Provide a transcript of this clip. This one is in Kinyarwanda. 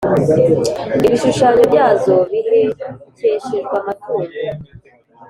ibishushanyo byazo bihekeshejwe amatungo.